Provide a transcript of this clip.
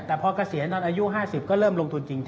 แต่พอเกษียณตอนอายุ๕๐ก็เริ่มลงทุนจริง